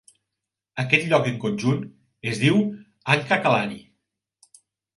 Aquest lloc en conjunt es diu AnkaKalari.